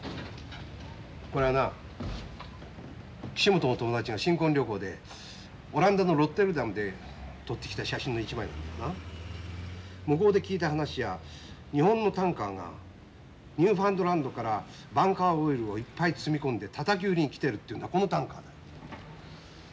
これはな岸本の友達が新婚旅行でオランダのロッテルダムで撮ってきた写真の一枚なんだがな向こうで聞いた話じゃ日本のタンカーがニューファンドランドからバンカー・オイルをいっぱい積み込んでたたき売りに来てるっていうんだこのタンカーだよ。